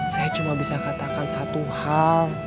saya cuma bisa katakan satu hal